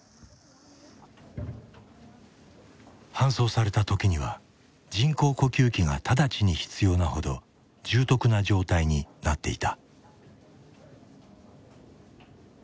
搬送された時には人工呼吸器が直ちに必要なほど重篤な状態になっていた。